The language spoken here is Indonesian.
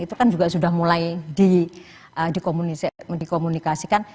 itu kan juga sudah mulai dikomunikasikan